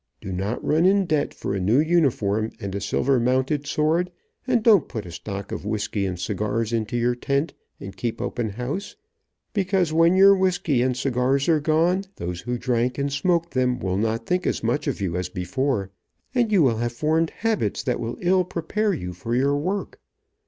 Do not run in debt for a new uniform and a silver mounted sword, and don't put a stock of whisky and cigars into your tent, and keep open house, because when your whisky and cigars are gone, those who drank and smoked them will not think as much of you as before, and you will have formed habits that will illy prepare you for your work.